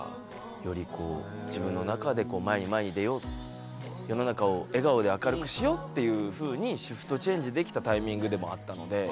より自分の中で前に前に出よう世の中を笑顔で明るくしようっていうふうにシフトチェンジできたタイミングでもあったので。